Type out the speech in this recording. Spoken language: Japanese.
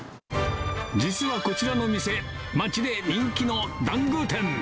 実はこちらの店、街で人気のだんご店。